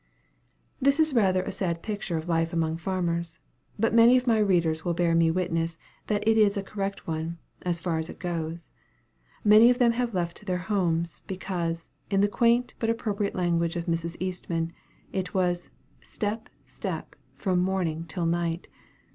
This is rather a sad picture of life among farmers. But many of my readers will bear me witness that it is a correct one, as far as it goes. Many of them have left their homes, because, in the quaint but appropriate language of Mrs. Eastman, it was "step, step, from morning till night."